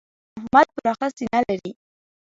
احمد پراخه سینه لري.